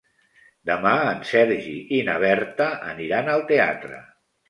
Demà en Sergi i na Berta aniran al teatre.